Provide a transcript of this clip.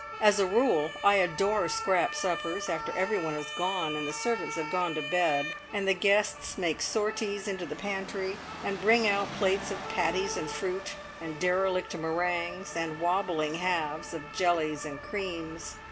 As a rule I adore scrap suppers after everyone has gone, and the servants have gone to bed, and the guests make sorties into the pantry, and bring out plates of patties and fruit, and derelict meringues, and wobbling halves of jellies and creams.